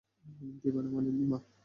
দিবে না মানে?